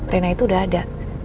rina itu udah ada